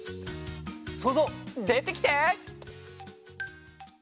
そうぞうでてきて！